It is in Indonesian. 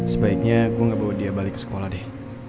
sebaiknya gue gak bawa dia balik ke sekolah deh